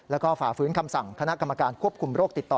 แล้วก็ฝ่าฟื้นคำสั่งคณะกรรมการควบคุมโรคติดต่อ